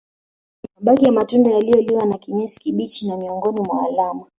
Mabaki ya matunda yaliyoliwa na kinyesi kibichi ni miongoni mwa alama